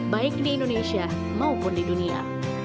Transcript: baik di indonesia maupun di dunia